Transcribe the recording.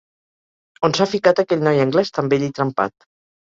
On s'ha ficat aquell noi anglès tan bell i trempat.